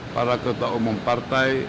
para ketua umum partai